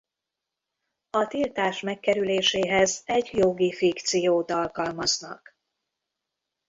A tiltás megkerüléséhez egy jogi fikciót alkalmaznak.